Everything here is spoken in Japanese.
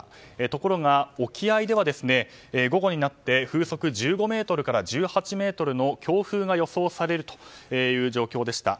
ところが沖合では午後になって風速１５メートルから１８メートルの強風が予想されるという状況でした。